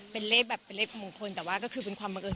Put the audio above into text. เป็นเลขแบบเป็นเลขมงคล